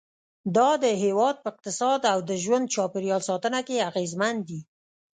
دا د هېواد په اقتصاد او د ژوند چاپېریال ساتنه کې اغیزمن دي.